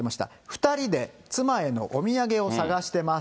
２人で妻へのお土産を探してます。